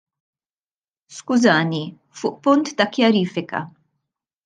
Skużani, fuq punt ta' kjarifika.